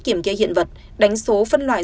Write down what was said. kiểm kê hiện vật đánh số phân loại